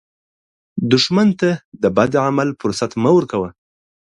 دښمن ته د بد عمل فرصت مه ورکوه